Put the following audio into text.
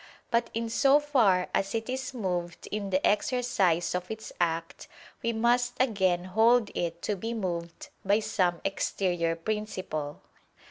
But in so far as it is moved in the exercise of its act, we must again hold it to be moved by some exterior principle.